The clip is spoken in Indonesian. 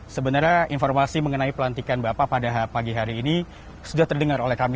sebenarnya informasi mengenai pelantikan bapak pada pagi hari ini sudah terdengar oleh kami